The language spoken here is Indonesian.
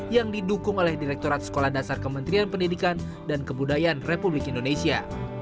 yang didukung oleh direkturat sekolah dasar kementerian pendidikan dan kebudayaan republik indonesia